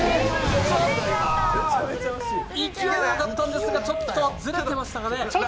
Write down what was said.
勢いはよかったんですがちょっとずれましたかね。